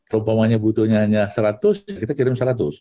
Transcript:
rupanya butuhnya hanya seratus kita kirim seratus